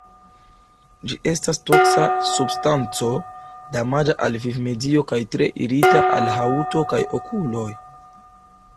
Ĝi estas toksa substanco, damaĝa al vivmedio kaj tre irita al haŭto kaj okuloj.